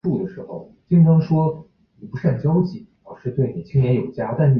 他是该校男篮校队的明星球员。